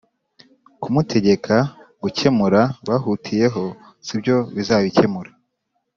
kumutegeka gukemura bahutiyeho sibyo bizabikemura